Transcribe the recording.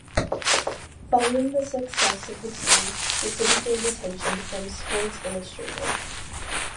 Following the success of the team, the city gained attention from "Sports Illustrated".